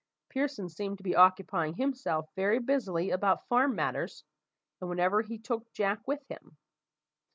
Pearson seemed to be occupying himself very busily about farm matters, and wherever he went took Jack with him.